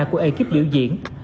của ekip biểu diễn